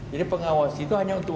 jadi pengawas itu hanya untuk